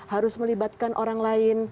harus melibatkan orang lain